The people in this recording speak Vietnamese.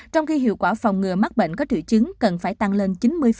trong khi hiệu quả phòng ngừa mắc bệnh có triệu chứng cần phải tăng lên chín mươi